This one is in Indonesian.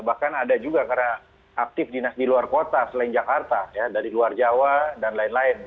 bahkan ada juga karena aktif dinas di luar kota selain jakarta dari luar jawa dan lain lain